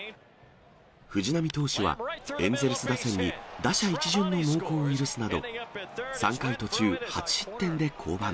藤浪投手は、エンゼルス打線に打者一巡の猛攻を許すなど、３回途中８失点で降板。